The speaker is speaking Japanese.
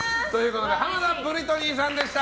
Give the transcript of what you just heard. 浜田ブリトニーさんでした。